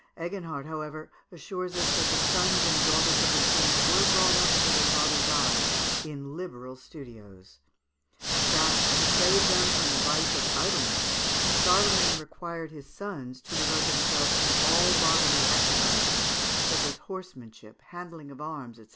Eginhard, however, assures us that the sons and daughters of the King were brought up under their father's eye in liberal studios; that, to save them from the vice of idleness, Charlemagne required his sons to devote themselves to all bodily exercises, such as horsemanship, handling of arms, &c.